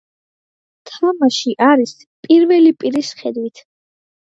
თამაში არის პირველი პირის ხედვით.